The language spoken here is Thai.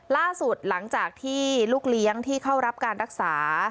ล่าสุดหลังจากที่ลูกเลี้ยงที่เข้ารับการรักษา